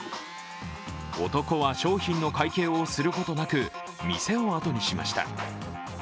男は商品の会計をすることなく、店をあとにしました。